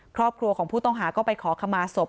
ครอบครัวของผู้ต้องหาก็ไปขอขมาศพ